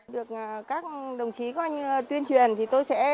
được các đồng chí có anh tuyên truyền thì tôi sẽ